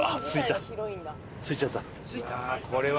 着いちゃった。